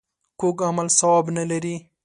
کوږ عمل ثواب نه لري